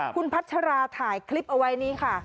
คุณภัชระถ่ายคลิปเอาไว้ไหนละฮะ